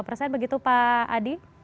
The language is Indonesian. tempat itu juga